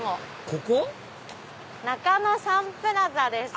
中野サンプラザです。